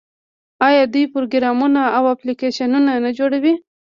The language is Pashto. آیا دوی پروګرامونه او اپلیکیشنونه نه جوړوي؟